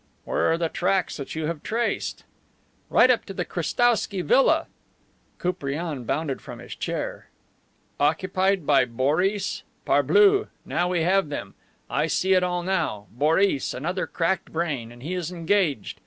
"Where are the tracks that you have traced?" "Right up to the little Krestowsky Villa." Koupriane bounded from his chair. "Occupied by Boris. Parbleu! Now we have them. I see it all now. Boris, another cracked brain! And he is engaged.